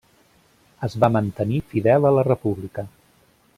Es va mantenir fidel a la República.